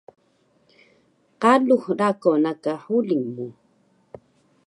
Qalux rako na ka huling mu